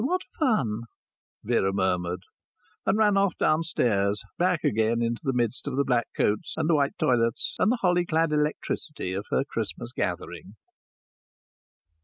"What fun!" Vera murmured. And ran off downstairs back again into the midst of the black coats and the white toilettes and the holly clad electricity of her Christmas gathering.